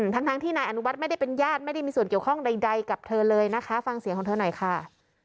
ทั้งที่นายอนุวัฒน์ไม่ได้เป็นญาติไม่ได้มีส่วนเกี่ยวข้องใดกับเธอเลยนะคะฟังเสียงของเธอหน่อยค่ะ